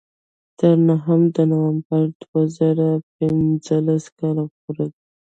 تر نهم د نومبر دوه زره پینځلس کال پورې.